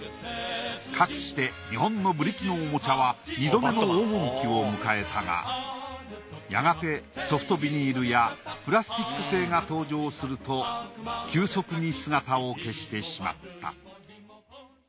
かくして日本のブリキのおもちゃは２度目の黄金期を迎えたがやがてソフトビニールやプラスチック製が登場すると急速に姿を消してしまった。